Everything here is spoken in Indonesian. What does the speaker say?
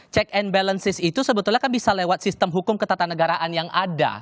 check and balances itu sebetulnya kan bisa lewat sistem hukum ketatanegaraan yang ada